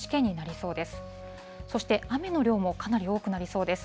そして、雨の量もかなり多くなりそうです。